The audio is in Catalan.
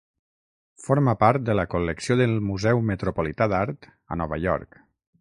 Forma part de la col·lecció del Museu Metropolità d'Art a Nova York.